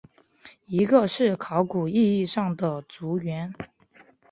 一个是考古意义上的族源。